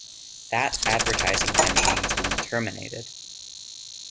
That advertising campaign is being terminated.